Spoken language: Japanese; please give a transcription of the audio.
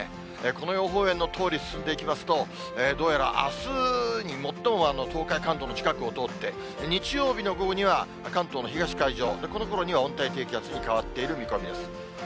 この予報円のとおり進んでいきますと、どうやらあすに最も東海、関東の近くを通って日曜日の午後には関東の東海上、このころには温帯低気圧に変わっている見込みです。